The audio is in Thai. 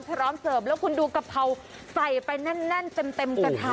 พร้อมเสิร์ฟแล้วคุณดูกะเพราใส่ไปแน่นเต็มกระทะ